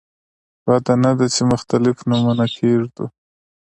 بده نه ده چې مختلف نومونه کېږدو.